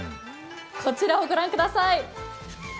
こちらをご覧ください。